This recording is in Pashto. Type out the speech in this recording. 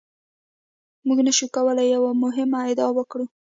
موږ نشو کولای یوه مهمه ادعا وکړو.